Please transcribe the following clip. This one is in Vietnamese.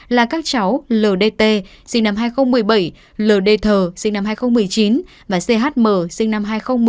là các cháu l d t sinh năm hai nghìn một mươi bảy l d thờ sinh năm hai nghìn một mươi chín và c h m sinh năm hai nghìn một mươi bốn